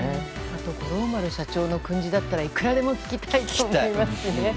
五郎丸社長の訓示だったらいくらでも聞きたいと思います。